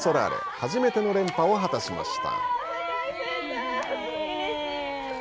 初めての連覇を果たしました。